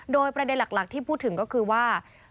โดยประเด็นหลักที่พูดถึงก็คือว่า